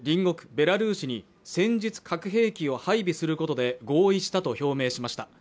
ベラルーシに戦術核兵器を配備することで合意したと表明しました。